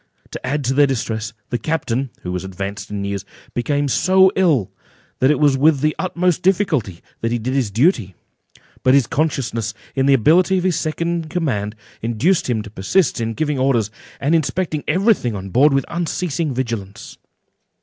To add to their distress, the captain (who was advanced in years) became so ill, that it was with the utmost difficulty that he did his duty; but his consciousness of the inability of the second in command, induced him to persist in giving orders, and inspecting every thing on board with unceasing vigilance.